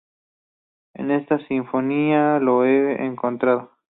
En esta sinfonía lo he encontrado.